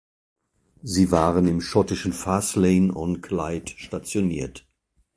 Sie waren im schottischen Faslane-on-Clyde stationiert.